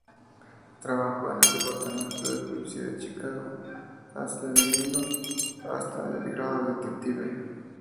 Trabajó en el Departamento de Policía de Chicago, ascendiendo hasta el grado de detective.